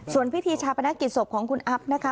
ส่วนพิธีชาปนกิจศพของคุณอัพนะคะ